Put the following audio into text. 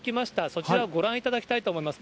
そちらをご覧いただきたいと思います。